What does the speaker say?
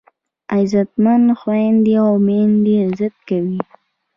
غیرتمند خویندي او میندې عزت کوي